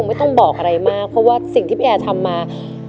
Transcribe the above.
ไม่ต้องบอกอะไรมากเพราะว่าสิ่งที่พี่แอร์ทำมา